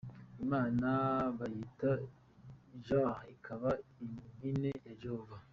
Imana bayita Jah ikaba impine ya Jehovah.